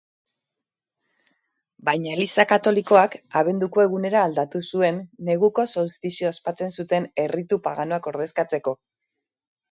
Baina Eliza Katolikoak abenduko egunera aldatu zuen, neguko solstizioa ospatzen zuten erritu paganoak ordezkatzeko.